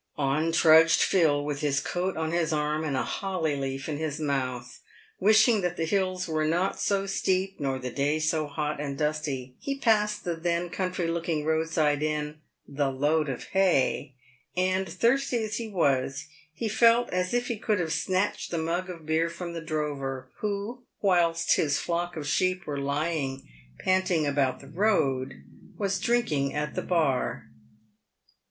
On trudged Phil, with his coat on his arm and a holly leaf in his mouth, wishing that the hills were not so steep nor the day so hot and dusty. He passed the then country looking roadside inn " The Load of Hay," and, thirsty as he was, he felt as if he could have snatched the mug of beer from the drover — who, whilst his flock of sheep were lying panting about the road, was drinking at the bar.